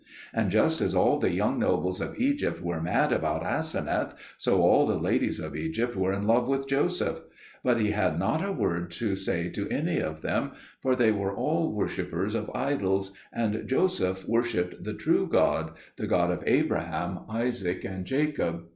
And just as all the young nobles of Egypt were mad about Aseneth, so all the ladies of Egypt were in love with Joseph; but he had not a word to say to any of them, for they were all worshippers of idols, and Joseph worshipped the true God the God of Abraham, Isaac, and Jacob.